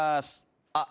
あっ。